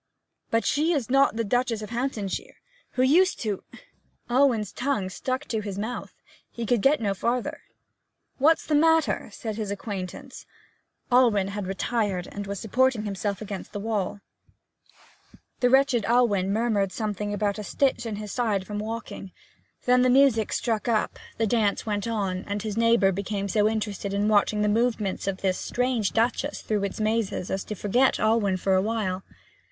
'But she is not the Duchess of Hamptonshire who used to ' Alwyn's tongue stuck to his mouth, he could get no farther. 'What's the matter?' said his acquaintance. Alwyn had retired, and was supporting himself against the wall. The wretched Alwyn murmured something about a stitch in his side from walking. Then the music struck up, the dance went on, and his neighbour became so interested in watching the movements of this strange Duchess through its mazes as to forget Alwyn for a while.